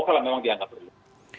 kalau memang dianggap perlu